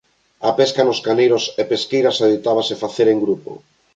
A pesca nos caneiros e pesqueiras adoitábase facer en grupo.